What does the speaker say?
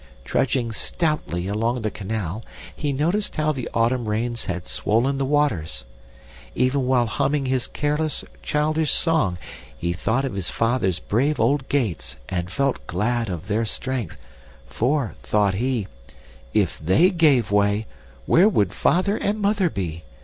"Trudging stoutly along the canal, he noticed how the autumn rains had swollen the waters. Even while humming his careless, childish song, he thought of his father's brave old gates and felt glad of their strength, for, thought he, 'If THEY gave way, where would Father and Mother be?